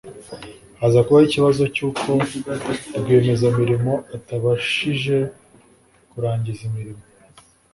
haza kubaho ikibazo cy uko rwiyemezamirimo atabashije kurangiza imirimo